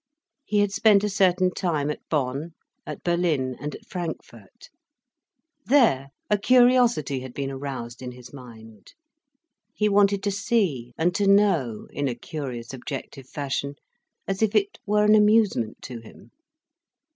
He had spent a certain time at Bonn, at Berlin, and at Frankfurt. There, a curiosity had been aroused in his mind. He wanted to see and to know, in a curious objective fashion, as if it were an amusement to him.